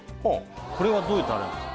これはどういうタレなんですか？